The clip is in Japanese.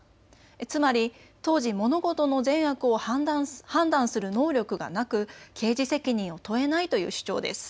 つまり当時、物事の善悪を判断する能力がなく刑事責任を問えないという主張です。